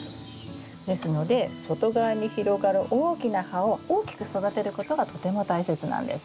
ですので外側に広がる大きな葉を大きく育てることがとても大切なんです。